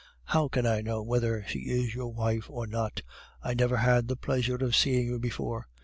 "'How can I know whether she is your wife or not? I never had the pleasure of seeing you before.